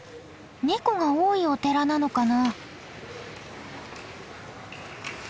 ネコが多いお寺なのかな？